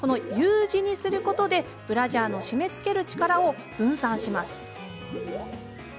Ｕ字にすることでブラジャーの締めつける力を分散します。